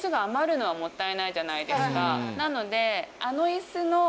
なので。